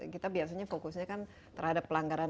kita biasanya fokusnya kan terhadap pelanggaran